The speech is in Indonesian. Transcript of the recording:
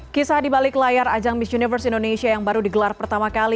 kisah di balik layar ajang miss universe indonesia yang baru digelar pertama kali